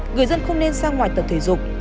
người dân không nên sang ngoài tập thể dục